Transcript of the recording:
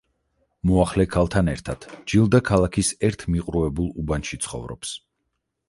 მოახლე ქალთან ერთად ჯილდა ქალაქის ერთ მიყრუებულ უბანში ცხოვრობს.